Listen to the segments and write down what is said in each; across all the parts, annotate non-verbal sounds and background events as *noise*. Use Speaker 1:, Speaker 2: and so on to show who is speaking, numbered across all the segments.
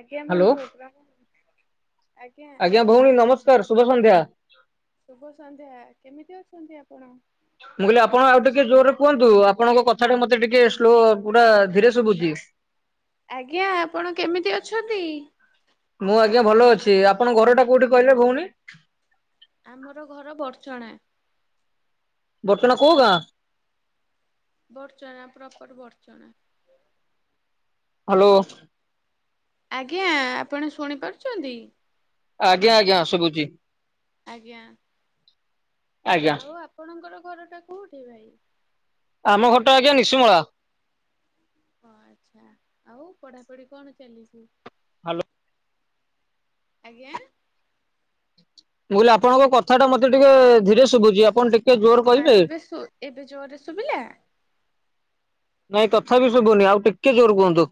Speaker 1: ଆଜ୍ଞା
Speaker 2: ହ୍ୟାଲୋ
Speaker 1: ବନ୍ଧୁ ଆଜ୍ଞା।
Speaker 2: ଆଜ୍ଞା ଭଉଣୀ ନମସ୍କାର ଶୁଭ ସନ୍ଧ୍ୟା।
Speaker 1: ଶୁଭ ସନ୍ଧ୍ୟା କେମିତି ଅଛନ୍ତି ଆପଣ?
Speaker 2: ମୁଁ କହିଲି ଆପଣ ଆଉ ଟିକେ ଜୋରରେ କୁହନ୍ତୁ। ଆପଣଙ୍କ କଥା ଟା ମତେ ଟିକେ ସ୍ଲୋ ପୁରା ଧୀରେ ଶୁଭୁଛି।
Speaker 1: ଆଜ୍ଞା ଆପଣ କେମିତି ଅଛନ୍ତି?
Speaker 2: ମୁଁ ଆଜ୍ଞା ଭଲ ଅଛି ଆପଣଙ୍କ ଘର ଟା କୋଉଠି କହିଲେ ଭଉଣୀ?
Speaker 1: ଆମର ଘର ବର୍ଛଣା।
Speaker 2: ବଡ଼ଚଣା କୋଉ ଗାଁ
Speaker 1: ବର୍ଚନା ପ୍ରପର ବର୍ଚନା।
Speaker 2: ହ୍ୟାଲୋ
Speaker 1: ଆଜ୍ଞା ଆପଣ ଶୁଣିପାରୁଛନ୍ତି?
Speaker 2: ଆଜ୍ଞା ଆଜ୍ଞା ଶୁଭୁଛି।
Speaker 1: ଆଜ୍ଞା‌।
Speaker 2: ଆଜ୍ଞା
Speaker 1: ଆଉ ଆପଣଙ୍କର ଘର ଟା କୋଉଠି ଭାଇ?
Speaker 2: ଆମ ଘରଟା ଆଜ୍ଞା ନିଶୁମଳା।
Speaker 1: ଓ ଆଚ୍ଛା ଆଉ ପଢାପଢି କଣ ଚାଲିଛି?
Speaker 2: ହ୍ୟାଲୋ
Speaker 1: ଆଜ୍ଞା
Speaker 2: ବୁହିଲେ ଆପଣଙ୍କ କଥା ଟା ମତେ ଟିକେ ଧୀରେ ଶୁଭୁଛି। ଆପଣ ଟିକେ ଜୋର କହିବେ?
Speaker 1: ଆଉ ଏବେ ଏବେ ଜୋରରେ ଶୁଭିଲା?
Speaker 2: ନାଇଁ ତଥାପି ଶୁଭୁନି ଆଉ ଟିକେ ଜୋର କୁହନ୍ତୁ।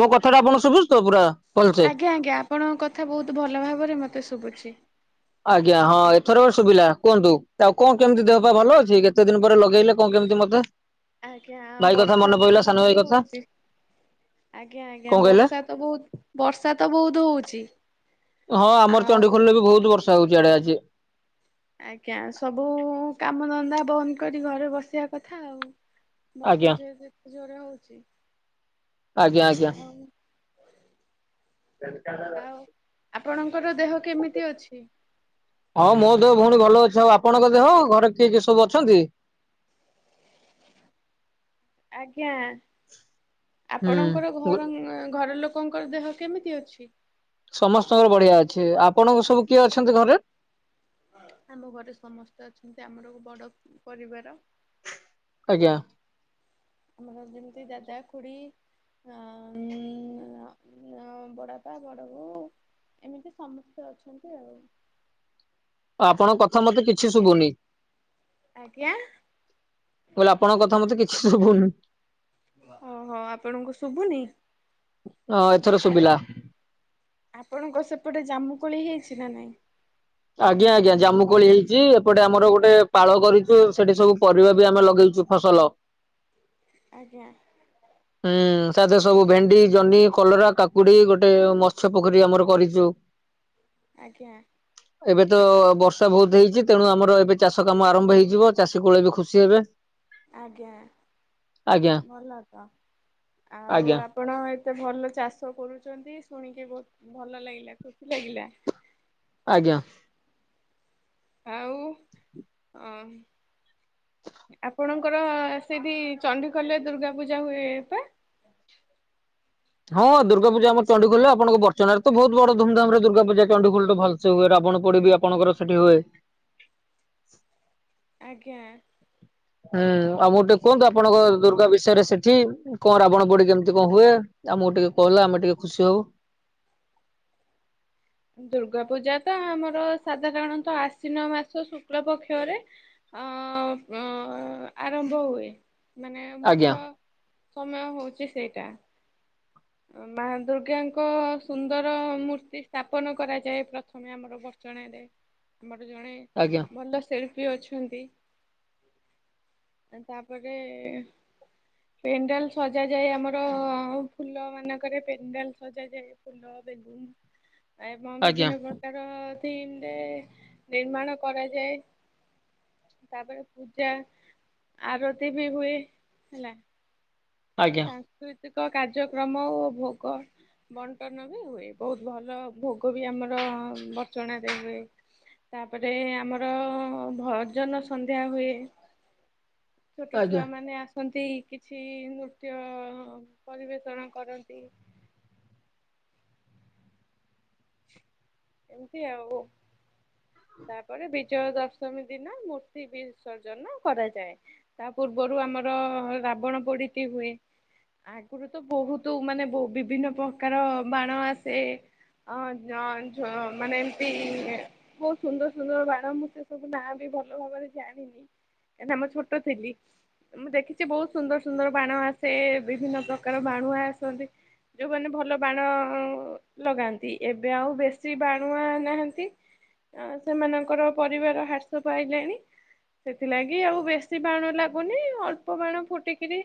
Speaker 2: ମୋ କଥା ଟା ଆପଣ ଶୁଭୁଛି ତ ପୁରା? ଭଲସେ?
Speaker 1: ଆଜ୍ଞା ଆଜ୍ଞା ଆପଣଙ୍କ କଥା ବହୁତ ଭଲ ଭାବରେ ମତେ ଶୁଭୁଛି।
Speaker 2: ଆଜ୍ଞା ହଁ ଏଥର ଗ ସୁବିଲା କୁହନ୍ତୁ ଆଉ କଣ କେମିତି ଦେହ ପା ଭଲ ଅଛି? କେତେ ଦିନ ପରେ ଲଗେଇଲେ କଣ କେମିତି ମତେ?
Speaker 1: ଆଜ୍ଞା
Speaker 2: ଭାଇ କଥା
Speaker 1: ବର୍ଷା
Speaker 2: ମନେ
Speaker 1: ତ
Speaker 2: ପଇଲା ସାନ ଭାଇ
Speaker 1: ବହୁତ
Speaker 2: କଥା
Speaker 1: ହଉଛି ଆଜ୍ଞା, ଆଜ୍ଞା
Speaker 2: କଣ କହିଲେ
Speaker 1: ବର୍ଷା ତ ବହୁତ ବର୍ଷା ତ ବହୁତ ହଉଛି।
Speaker 2: ହଁ ଆମର
Speaker 1: ଆଉ
Speaker 2: ଚଣ୍ଡିଖୋଲ ରେ ବି ବହୁତ ବର୍ଷା ହଉଛି ଆଡେ ଆଜି।
Speaker 1: ଆଜ୍ଞା ସବୁ କାମ ଧନ୍ଦା ବନ୍ଦ କରି ଘରେ ବସିବା କଥା ଆଉ। ବର୍ଷା
Speaker 2: ଆଜ୍ଞା
Speaker 1: ଯେ ଯେତେ ଜୋର ହୋଉଚି।
Speaker 2: ଆଜ୍ଞା ଆଜ୍ଞା
Speaker 1: ଆଉ
Speaker 2: *unintelligible*
Speaker 1: ଆଉ ଆପଣଙ୍କର ଦେହ କେମିତି ଅଛି?
Speaker 2: ହଁ ମୋ ଦେହ ଭୋଉଣୀ ଭଲ ଅଛି। ଆଉ ଆପଣଙ୍କ ଦେହ ଘରେ କିଏ କିଏ ସବୁ ଅଛନ୍ତି?
Speaker 1: ଆଜ୍ଞା ଆପଣଙ୍କର
Speaker 2: ହୁଁ
Speaker 1: ଘର, ଘର ଲୋ କଙ୍କର ଦେହ କେମିତି ଅଛି?
Speaker 2: ସମସ୍ତଙ୍କର ବଢିଆ ଅଛି। ଆପଣଙ୍କ ସବୁ କିଏ ଅଛନ୍ତି ଘରେ?
Speaker 1: ଆମ ଘରେ ସମସ୍ତେ ଅଛନ୍ତି। ଆମର ଗୋ ବଡ ପରିବାର।
Speaker 2: ଆଜ୍ଞା।
Speaker 1: ଆମର ଯେମିତି ଦାଦା, ଖୁଡି ଆ ଉଁ ବଡାପା, ବଡବୋଉ ଏମିତି ସମସ୍ତେ ଅଛନ୍ତି ଆଉ।
Speaker 2: ଆପଣଙ୍କ କଥା ମତେ କିଛି ଶୁବୁନି।
Speaker 1: ଆଜ୍ଞା।
Speaker 2: ମୁଁ କହିଲି ଆପଙ୍କ କଥା ମତେ କିଛି ଶୁବୁନି।
Speaker 1: ଓହୋ ଆପଣଙ୍କୁ ଶୁବୁନି?
Speaker 2: *unintelligible*
Speaker 1: ଆଉ ଆ-ଆପଣଙ୍କ ସେପଟେ ଜାମୁକୋଳି ହେଇଚି ନା ନାଇଁ?
Speaker 2: ଆଜ୍ଞା ଆଜ୍ଞା ଜାମୁକୋଳି ହେଇଚି। ଏପଟେ ଆମର ଗୋଟେ ପାଳ କରିଚୁ ସେଠି ସବୁ ପରିବା ବି ଆମେ ଲଗେଇଚୁ। ଫସଲ।
Speaker 1: ଆଜ୍ଞା।
Speaker 2: ହୁଁ ତା *unintelligible* ସବୁ, ଭେଣ୍ଡି, ଜହ୍ନି, କଲରା, କାକୁଡି ଗୋଟେ ମତ୍ସ୍ୟ ପୋଖରୀ ଆମର କରିଚୁ।
Speaker 1: ଆଜ୍ଞା।
Speaker 2: ଏବେ ତ ବର୍ଷା ବୋହୁତ ହେଇଚି। ତେଣୁ ଆମର ଏବେ ଚାଷ କାମ ଆରମ୍ଭ ହେଇଯିବ। ଚାଷୀ କୂଳ ବି ଖୁସି ହେବେ।
Speaker 1: ଆଜ୍ଞା
Speaker 2: ଆଜ୍ଞା
Speaker 1: ଭଲ ତ ଆଉ
Speaker 2: ଆଜ୍ଞା
Speaker 1: ଆପଣ ଏତେ ଭଲ ଚାଷ କରୁଚନ୍ତି ଶୁଣିକି ବୋହୁତ ଭଲ ଲାଗିଲା ଖୁସି ଲାଗିଲା।
Speaker 2: ଆଜ୍ଞା।
Speaker 1: ଆଉ ଅଂ ଆପଣଙ୍କର ସେଇଠି ଚଣ୍ଡିଖୋଲରେ ଦୁର୍ଗା ପୂଜା ହୁଏ ପା?
Speaker 2: ହଁ ଦୁର୍ଗାପୂଜା ଆମ ଚଣ୍ଡିଖୋଲ ଆପଣଙ୍କ ବଡଚଣାରେ ତ ବୋହୁତ ବଡ ଧୁମଧାମରେ ଦୁର୍ଗାପୂଜା ଚଣ୍ଡିଖୋଲଟେ ଭଲ ସେ ହୁଏ। ରାବଣ ପୋଡିବି ଆପଣଙ୍କର ସେଠି ହୁଏ।
Speaker 1: ଆଜ୍ଞା।
Speaker 2: ହୁଁ ଆମକୁ ଟିକେ କୁହନ୍ତୁ ଆପଣଙ୍କ ଦୁର୍ଗା ବିଷୟରେ ସେଠି। କଣ ରାବଣ ପୋଡି କେମିତି କଣ ହୁଏ। ଆମକୁ ଟିକେ କହିଲେ ଆମେ ଟିକେ ଖୁସି ହୋବୁ।
Speaker 1: ଦୁର୍ଗାପୂଜା ତ ଆମର ସାଧାରଣତଃ ଆଶ୍ଵିନ ମାସ ଶୁକ୍ଳ ପକ୍ଷରେ ଆଁ ଉଁ ଆରମ୍ଭ ହୁଏ। ମାନେ
Speaker 2: ଆଜ୍ଞା
Speaker 1: ମୁଖ୍ୟ ସମୟ ହେଉଚି ସେଇଟା। ମା ଦୁର୍ଗାଙ୍କ ସୁନ୍ଦର ମୂର୍ତ୍ତି ସ୍ଥାପନ କରାଯାଏ ପ୍ରଥ ମେ ଆମର ବଡଚଣାରେ ଆମର ଜଣେ
Speaker 2: ଆଜ୍ଞା
Speaker 1: ଭଲ ଶି ଳ୍ପି ଅଛନ୍ତି। ତାପରେ ପେଣ୍ଡାଲ ସଜାଯାଏ ଆମର ଫୁଲ ମାନଙ୍କରେ ପେଣ୍ଡାଲ ସଜାଯାଏ ଫୁଲ ବେଳୁନ ଏବଂ
Speaker 2: ଆଜ୍ଞା
Speaker 1: ବିଭିନ୍ନ ପ୍ର କାର ଥିମ ରେ ନିର୍ମାଣ କରାଯାଏ। ତାପରେ ପୂଜା ଆରତି ବି ହୁଏ ହେଲା।
Speaker 2: ଆଜ୍ଞା।
Speaker 1: ସାଂସ୍କୃତିକ କାର୍ଯ୍ୟକ୍ରମ ଓ ଭୋଗ ବଣ୍ଟନ ବି ହୁଏ ବୋହୁତ ଭଲ ଭୋଗ ବି ଆମର ବଡଚଣାରେ ହୁଏ। ତାପରେ ଆମର ଭଜନ ସନ୍ଧ୍ୟା ହୁଏ। ଛୋଟ
Speaker 2: ଆଜ୍ଞା।
Speaker 1: ଛୁଆ ମାନେ ଆସନ୍ତି କିଛି ନୃ ନୃତ୍ୟ ପରିବେଷଣ କରନ୍ତି। ଏମତି ଆଉ ତାପରେ ବି। ବିଜୟ ଦଶମୀ ଦିନ ମୂର୍ତ୍ତି ବିସର୍ଜନ କରାଯାଏ। ତା ପୂର୍ବରୁ ଆମର ରାବଣ ପୋଡି ହୁଏ। ଆଗରୁ ତ ବହୁତ ମାନେ ବିଭିନ୍ନ ପ୍ରକାର ବାଣ ଆସେ। ହ ଜ ମାନେ ଏମିତି। ବହୁତ ସୁନ୍ଦର ସୁନ୍ଦର ବାଣ ମୁଁ ସେ ସବୁ ନାଁ ବି ଭଲ ଭାବରେ ଜାଣିନି। ଆମ ଛୋଟ ଥିଲି। ମୁଁ ଦେଖିଛି ବହୁତ ସୁନ୍ଦର ସୁନ୍ଦର ବାଣ ଆସେ ବିଭିନ୍ନ ପ୍ରକାର ବାଣୁଆ ଆସନ୍ତି। ଯୋଉମାନେ ଭଲ ବାଣ ଲଗାନ୍ତି ଏବେ ଆଉ ବସ୍ତ। ସେ ବାଣୁଆ ନାହାନ୍ତି ସେମାନଙ୍କର ପରିବାର ହ୍ରାସ ପାଇଲେଣି। ସେଥିଲାଗି ଆଉ ବେଶୀ ବାଣ ଲାଗୁନି ଅଳ୍ପ ବାଣ ଫୁଟିକିରି।